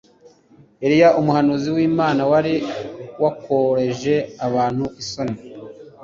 Eliya umuhanuzi wImana wari wakoreje Ahabu isoni